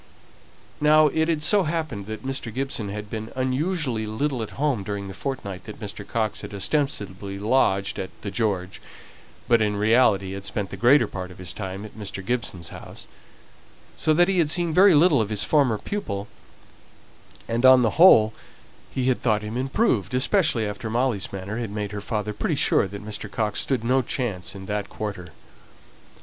Now it had so happened that Mr. Gibson had been unusually little at home during the fortnight that Mr. Coxe had ostensibly lodged at the "George," but in reality had spent the greater part of his time at Mr. Gibson's house so that he had seen very little of his former pupil, and on the whole he had thought him improved, especially after Molly's manner had made her father pretty sure that Mr. Coxe stood no chance in that quarter.